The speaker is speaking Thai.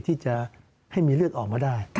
ที่จะให้มีเลือดออกมาได้